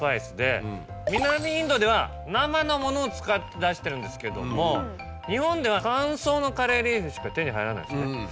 南インドでは生のものを使って出してるんですけども日本では乾燥のカレーリーフしか手に入らないんですね。